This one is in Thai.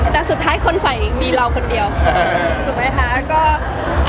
แต่สุดท้ายคนใส่มีเราคนเดียวถูกไหมคะ